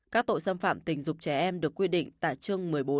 các tội xâm phạm tình dục trẻ em được quy định tại chương một mươi bốn